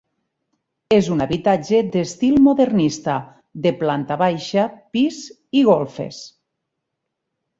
És un habitatge d'estil modernista de planta baixa, pis i golfes.